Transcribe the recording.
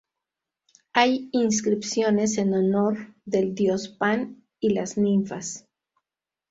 Hay inscripciones en honor del dios Pan y las ninfas.